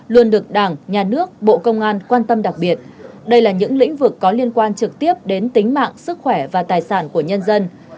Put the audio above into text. luôn được đảng nhà nước bộ công an quan tâm đặc biệt đây là những lĩnh vực có liên quan trực tiếp đến tính mạng sức khỏe và tài sản của nhân dân